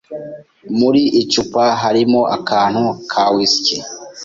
Muri icupa harimo akantu ka whisky.